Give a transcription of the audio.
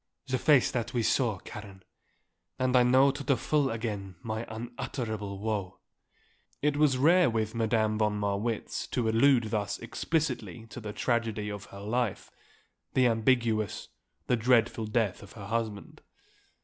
The face that we saw, Karen. And I know to the full again my unutterable woe." It was rare with Madame von Marwitz to allude thus explicitly to the tragedy of her life, the ambiguous, the dreadful death of her husband.